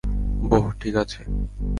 বোহ, ঠিক আছে।